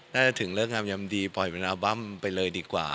ถึงเลิกงามยำดีปล่อยเป็นอัลบั้มไปเลยดีกว่า